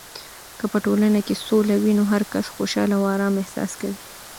که په ټولنه کې سوله وي، نو هرکس خوشحال او ارام احساس کوي.